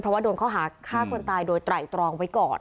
เพราะว่าโดนข้อหาฆ่าคนตายโดยไตรตรองไว้ก่อน